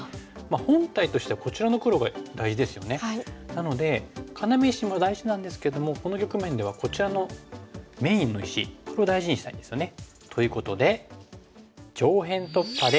なので要石も大事なんですけどもこの局面ではこちらのメインの石これを大事にしたいんですよね。ということで。